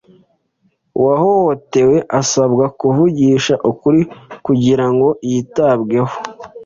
Uwahohotewe asabwa kuvugisha ukuri kugira ngo yitabweho